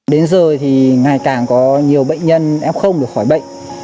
đến giờ thì ngày càng có nhiều bệnh nhân em không được khỏi bệnh